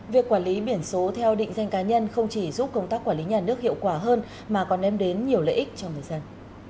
việc quản lý biển số theo định danh cá nhân không chỉ giúp công tác quản lý nhà nước hiệu quả hơn mà còn đem đến nhiều lợi ích cho người dân